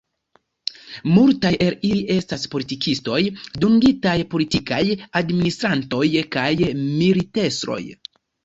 Multaj el ili estas politikistoj, dungitaj politikaj administrantoj, kaj militestroj.